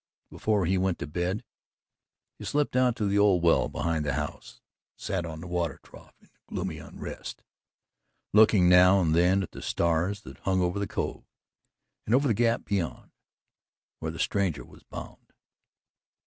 Before he went to bed, he slipped out to the old well behind the house and sat on the water trough in gloomy unrest, looking now and then at the stars that hung over the Cove and over the Gap beyond, where the stranger was bound.